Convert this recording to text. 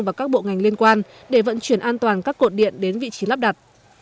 và các bộ ngành liên quan để vận chuyển an toàn các cột điện đến vị trí lắp đặt